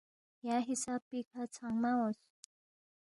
یا حساب پیکھہ ژھنگمہ اونگس